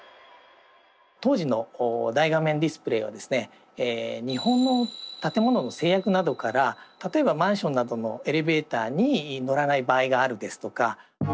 当時の大画面ディスプレーはですね日本の建物の制約などから例えばマンションなどのエレベーターに乗らない場合があるですとか。